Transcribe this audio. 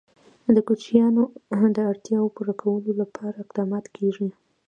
د کوچیانو د اړتیاوو پوره کولو لپاره اقدامات کېږي.